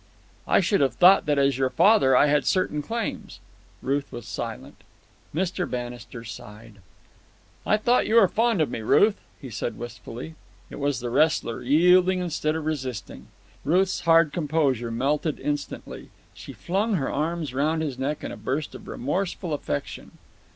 "I should have thought that, as your father, I had certain claims." Ruth was silent. Mr. Bannister sighed. "I thought you were fond of me, Ruth," he said wistfully. It was the wrestler yielding instead of resisting. Ruth's hard composure melted instantly. She flung her arms round his neck in a burst of remorseful affection.